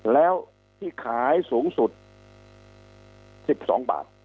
แล้วที่ขายสูงสุด๑๒บาท